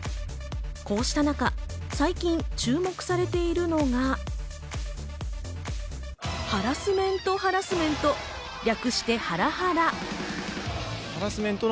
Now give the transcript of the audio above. こうした中、最近、注目されているのがハラスメント・ハラスメント。